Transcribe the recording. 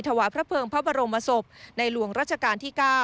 ถวายพระเภิงพระบรมศพในหลวงรัชกาลที่๙